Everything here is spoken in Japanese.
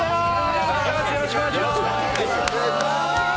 よろしくお願いします。